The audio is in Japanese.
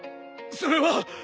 それは。